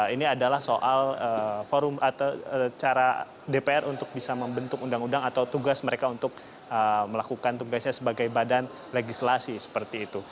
ini adalah soal forum atau cara dpr untuk bisa membentuk undang undang atau tugas mereka untuk melakukan tugasnya sebagai badan legislasi seperti itu